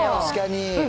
確かに。